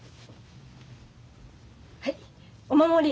はいお守り。